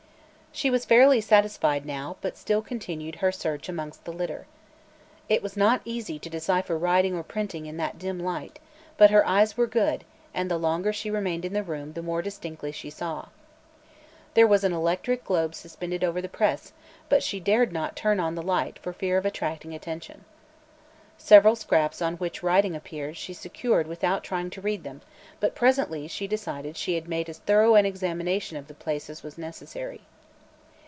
She was fairly satisfied, now, but still continued her search amongst the litter. It was not easy to decipher writing or printing in that dim light, but her eyes were good and the longer she remained in the room the more distinctly she saw. There was an electric globe suspended over the press, but she dared not turn on the light for fear of attracting attention. Several scraps on which writing appeared she secured without trying to read them, but presently she decided she had made as thorough an examination of the place as was necessary.